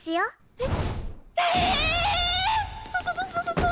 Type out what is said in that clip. えっ？